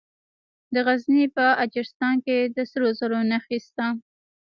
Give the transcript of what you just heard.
د غزني په اجرستان کې د سرو زرو نښې شته.